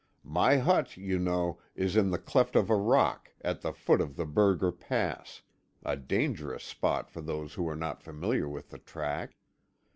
My hut, you know, is in the cleft of a rock, at the foot of the Burger Pass, a dangerous spot for those who are not familiar with the track.